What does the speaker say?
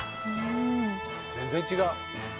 全然違う。